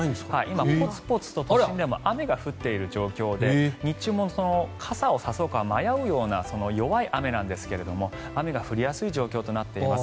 今ポツポツと都心でも雨が降っている状況で日中も傘を差そうか迷うぐらいの弱い雨なんですが雨が降りやすい状況となっています。